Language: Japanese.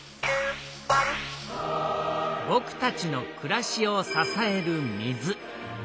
ぼくたちのくらしをささえる水。